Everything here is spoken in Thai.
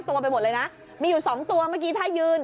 ตัวไปหมดเลยนะมีอยู่สองตัวเมื่อกี้ถ้ายืน